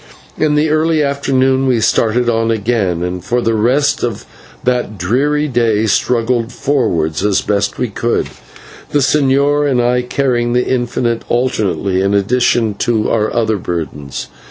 In the early afternoon we started on again, and for the rest of that dreary day struggled forward as best we could, the señor and I carrying the infant alternately in addition to our other burdens.